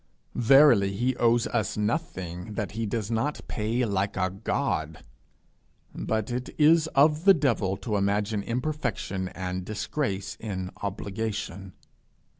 Verily he owes us nothing that he does not pay like a God; but it is of the devil to imagine imperfection and disgrace in obligation.